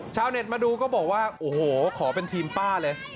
เน็ตมาดูก็บอกว่าโอ้โหขอเป็นทีมป้าเลย